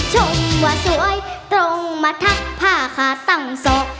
ชมว่าสวยตรงมาทักผ้าขาตั้งศพ